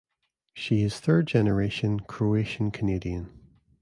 She is a third-generation Croatian-Canadian.